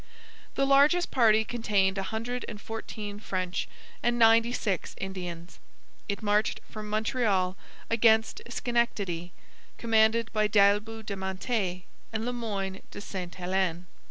The largest party contained a hundred and fourteen French and ninety six Indians. It marched from Montreal against Schenectady, commanded by D'Aillebout de Mantet and Le Moyne de Sainte Helene.